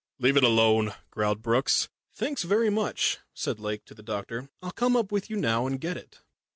"Leave it alone," growled Brookes. "Thanks very much," said Lake to the doctor. "I'll come up with you now and get it."